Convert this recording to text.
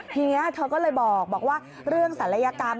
ทีนี้เธอก็เลยบอกว่าเรื่องศัลยกรรม